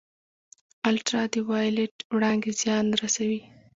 الټرا وایلیټ وړانګې زیان رسوي